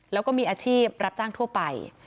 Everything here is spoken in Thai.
แล้วก็มีอาชีพรับจ้างทั่วไป